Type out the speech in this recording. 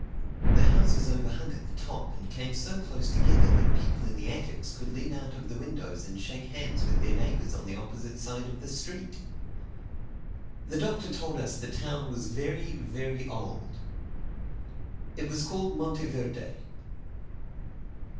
The houses over hung at the top and came so close together that people in the attics could lean out of the windows and shake hands with their neighbors on the opposite side of the street. The Doctor told us the town was very, very old. It was called Monteverde.